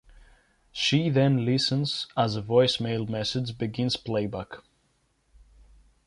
She then listens as a voicemail message begins playback.